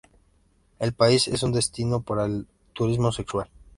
El país es un destino para el turismo sexual.